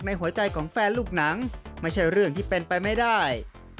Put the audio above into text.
หัวใจของแฟนลูกหนังไม่ใช่เรื่องที่เป็นไปไม่ได้